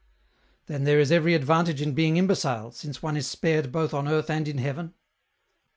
" Then there is every advantage in being imbecile, since one is spared both on earth and in heaven